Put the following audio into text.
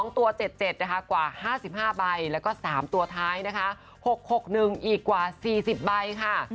๒ตัวเจ็ดกว่า๕๕ใบแล้วก็๓ตัวท้าย๖หนึ่งอีกกว่า๔๐ใบค่ะ